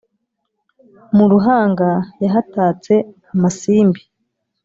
Mu Ruhanga yahatatse amasimbi